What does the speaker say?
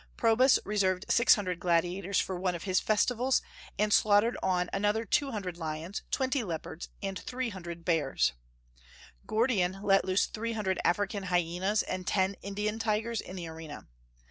Probus reserved six hundred gladiators for one of his festivals, and slaughtered on another two hundred lions, twenty leopards, and three hundred bears; Gordian let loose three hundred African hyenas and ten Indian tigers in the arena.